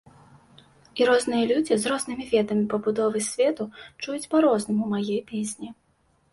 І розныя людзі з рознымі ведамі пабудовы свету чуюць па-рознаму мае песні.